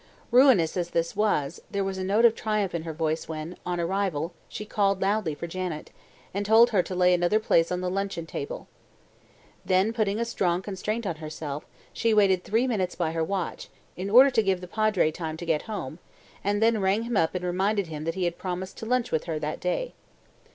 Ruinous as this was, there was a note of triumph in her voice when, on arrival, she called loudly for Janet, and told her to lay another place on the luncheon table. Then putting a strong constraint on herself, she waited three minutes by her watch, in order to give the Padre time to get home, and then rang him up and reminded him that he had promised to lunch with her that day.